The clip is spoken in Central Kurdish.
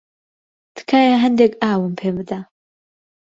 تکایە هەندێک ئاوم پێ بدە.